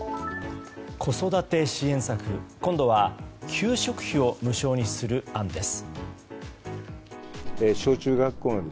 子育て支援策、今度は給食費を無償にする案です。